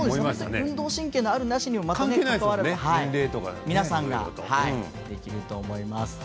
運動神経のあるなしもかかわらず皆さんができると思います。